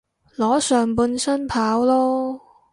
裸上半身跑囉